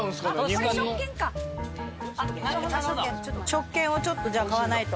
食券をちょっとじゃあ買わないと。